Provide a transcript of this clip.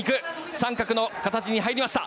三角の形に入りました。